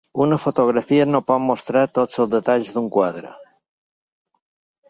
Una fotografia no pot mostrar tots els detalls d'un quadre.